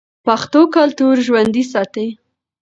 پښتو کلتور ژوندی ساتي.